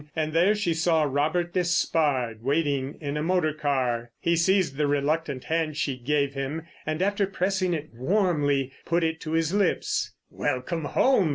And there she saw Robert Despard waiting in a motor car. He seized the reluctant hand she gave him, and after pressing it warmly, put it to his lips. "Welcome home!"